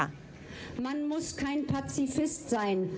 มันมันไม่ต้องเป็นปาซิฟิสต์